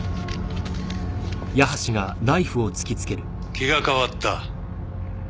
気が変わった。